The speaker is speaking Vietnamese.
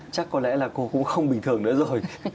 chắc có lẽ là cô cũng không bình thường nữa rồi